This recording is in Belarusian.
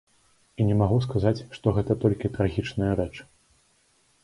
І не магу сказаць, што гэта толькі трагічная рэч.